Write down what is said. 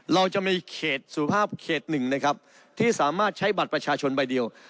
เราจะมีเขตสุภาพเขตหนึ่งนะครับที่สามารถใช้บัตรประชาชนใบเดียว